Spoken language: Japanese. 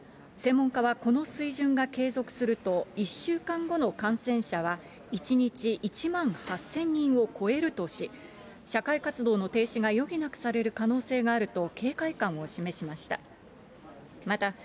専門家はこの水準が継続すると、１週間後の感染者は、１日１万８０００人を超えるとし、社会活動の停止が余儀なくされる可能性があると警戒感を示しました。